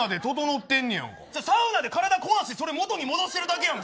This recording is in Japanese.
サウナで体、壊してそれ元に戻してるだけやん。